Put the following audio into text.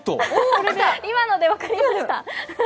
今ので分かりました。